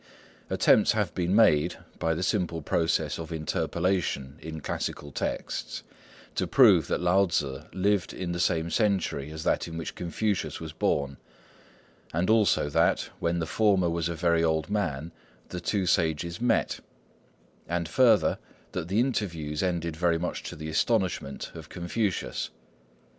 Attempts have been made, by the simple process of interpolation in classical texts, to prove that Lao Tzŭ lived in the same century as that in which Confucius was born; and also that, when the former was a very old man, the two sages met; and further that the interviews ended very much to the astonishment of Confucius.